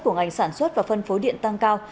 của ngành sản xuất và phân phối điện tăng cao